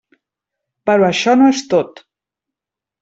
Però això no és tot.